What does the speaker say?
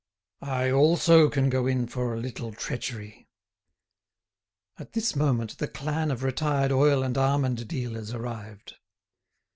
I also can go in for a little treachery!" At this moment the clan of retired oil and almond dealers arrived.